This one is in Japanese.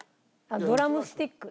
ドラムスティック。